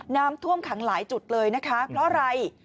น้ำท่วมขังหลายจุดเลยนะคะเพราะอะไร